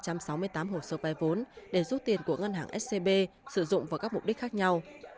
trương mỹ lan đã chỉ đạo lập khống chín trăm một mươi sáu hồ sơ vay vốn để rút tiền của ngân hàng scb sử dụng vào các mục đích khác nhau